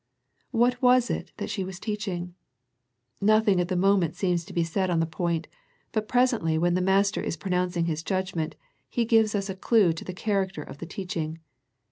What was it that she was teaching ? Nothing at the moment seems to be said on The Thyatira Letter 121 the point, but presently when the Master is pronouncing His judgment, He gives us a clue to the character of the teaching.